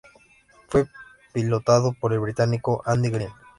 Fue pilotado por el británico Andy Green.